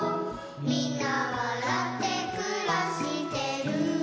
「みんなわらってくらしてる」